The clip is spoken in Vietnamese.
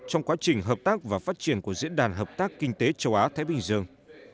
trong quá trình hợp tác và phát triển của diễn đàn hợp tác kinh tế châu á thái bình dương